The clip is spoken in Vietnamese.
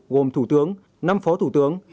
gồm thủ tướng năm phó thủ tướng